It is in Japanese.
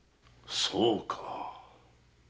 そうか。